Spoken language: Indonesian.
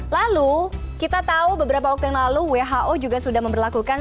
lalu kita tahu beberapa waktu yang lalu who juga sudah memperlakukan